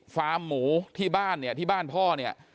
ฟาร์มหมูที่บ้านเนี่ยที่บ้านพ่อเนี่ย